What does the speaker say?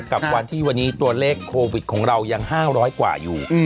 กับวันที่วันนี้ตัวเลขโควิดของเรายัง๕๐๐กว่าอยู่